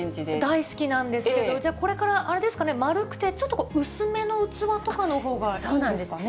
大好きなんですけど、じゃあ、これからあれですかね、丸くてちょっと薄めの器とかのほうがいいんですかね。